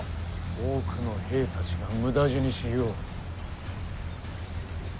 多くの兵たちが無駄死にしよう。